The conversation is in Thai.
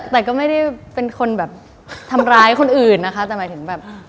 แต่ก็ไม่ได้เป็นคนทำร้ายคนอื่น